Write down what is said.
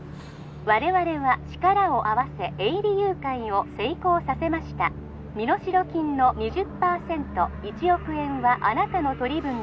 ☎我々は力を合わせ営利誘拐を成功させました☎身代金の２０％１億円はあなたの取り分です